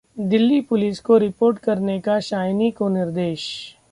Delhi police को report करने का शाइनी को निर्देश